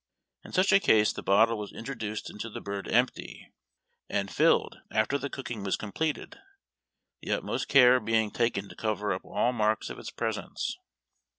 In such a case the bottle was introduced into the bird empty, and filled after the cooking was completed, the utmost care being taken to cover up all marks of its presence.